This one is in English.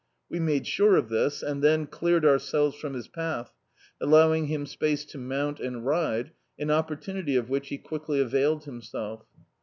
We made sure of this and then cleared ourselves frran his path, allowing him space to mount and ride, an oppor tunity of which he quickly availed himself.